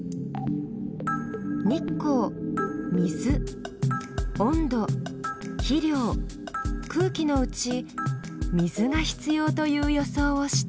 日光水温度肥料空気のうち水が必要という予想をした。